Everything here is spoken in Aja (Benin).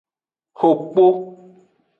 Xo kpo.